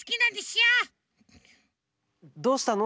どうしたの？